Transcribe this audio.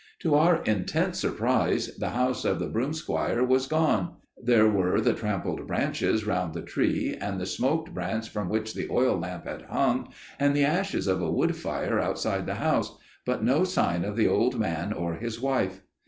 To our intense surprise the house of the broomsquire was gone; there were the trampled branches round the tree, and the smoked branch from which the oil lamp had hung, and the ashes of a wood fire outside the house, but no sign of the old man or his wife.